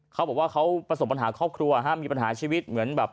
เขาบอกว่าเขาประสบปัญหาครอบครัวมีปัญหาชีวิตเหมือนแบบ